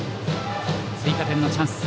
追加点のチャンス。